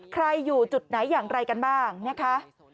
อยู่จุดไหนอย่างไรกันบ้างนะคะ